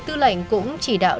tư lệnh cũng chỉ đạo